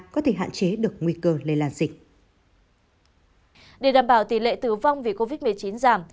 có thể hạn chế được nguy cơ lây lan dịch để đảm bảo tỷ lệ tử vong vì covid một mươi chín giảm